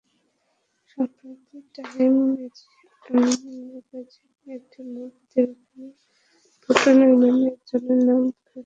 সম্প্রতি time magazine একটি মূল প্রতিবেদনে পোর্টনয় নামে একজনের নাম ছেপেছে।